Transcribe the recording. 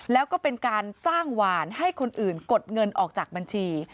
แล้วก็เป็นการจ้างหวานให้คนอื่นกดเงินออกจากบัญชี